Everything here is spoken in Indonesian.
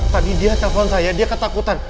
tadi dia telpon saya dia ketakutan